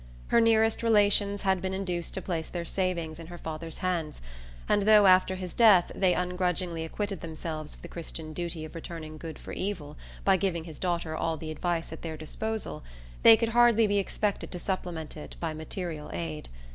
Her nearest relations had been induced to place their savings in her father's hands, and though, after his death, they ungrudgingly acquitted themselves of the Christian duty of returning good for evil by giving his daughter all the advice at their disposal, they could hardly be expected to supplement it by material aid.